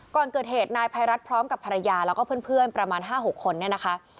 ก่อนเกิดเหตุนายภัยรัฐพร้อมกับภรรยาแล้วก็เพื่อนประมาณ๕๖คนเนี่ยนะคะ